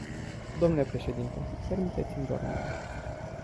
Dle președinte, permiteți-mi doar un minut.